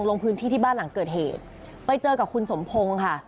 ลงพื้นที่ที่บ้านหลังเกิดเหตุไปเจอกับคุณสมพงศ์ค่ะ